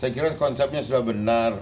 saya kira konsepnya sudah benar